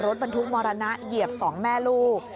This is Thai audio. รถบรรทุกมรณะเหยียบ๒แม่ลูก